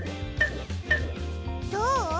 どう？